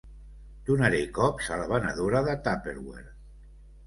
Donaré cops a la venedora de tupperware.